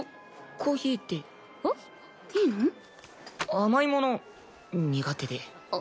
甘いもの苦手で。